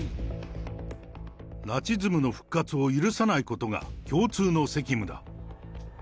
ナチズムの復活を許さないことが共通の責務だ。